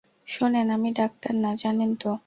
শোনেন, আমি ডাক্তার না, জানেন তো?